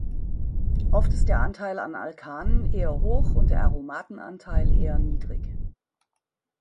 Oft ist der Anteil an Alkanen eher hoch und der Aromaten-Anteil eher niedrig.